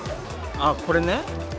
あ、これね。